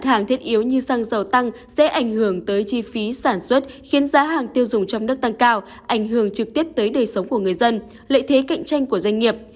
các hàng thiết yếu như xăng dầu tăng sẽ ảnh hưởng tới chi phí sản xuất khiến giá hàng tiêu dùng trong nước tăng cao ảnh hưởng trực tiếp tới đời sống của người dân lợi thế cạnh tranh của doanh nghiệp